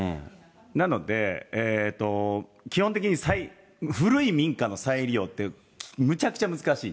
なので、基本的に古い民家の再利用って、むちゃくちゃ難しい。